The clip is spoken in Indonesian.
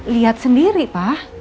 lihat sendiri pa